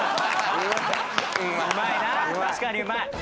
うまいな確かにうまい。